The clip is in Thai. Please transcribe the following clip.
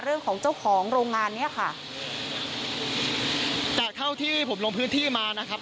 เจ้าของโรงงานเนี้ยค่ะแต่เท่าที่ผมลงพื้นที่มานะครับ